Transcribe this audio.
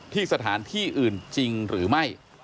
สถานที่อื่นจริงหรือไม่